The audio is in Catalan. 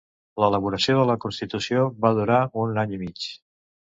L'elaboració de la Constitució va durar un any i mig.